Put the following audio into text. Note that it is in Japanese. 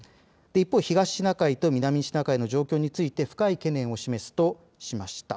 一方東シナ海と南シナ海の状況について深い懸念を示すとしました。